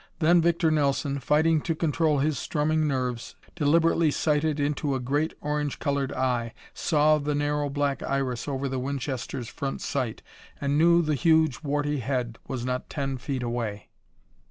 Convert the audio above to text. Then Victor Nelson, fighting to control his strumming nerves, deliberately sighted into a great, orange colored eye, saw the narrow black iris over the Winchester's front sight and knew the huge warty head was not ten feet away.